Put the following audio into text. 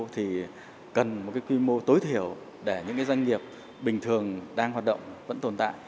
thì cần một quy mô tối thiểu để những doanh nghiệp bình thường đang hoạt động vẫn tồn tại